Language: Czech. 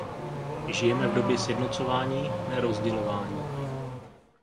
Žijeme v době sjednocování, ne rozdělování.